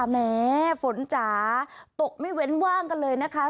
แม้ฝนจะตกไม่ตรงใกล้ค่ะ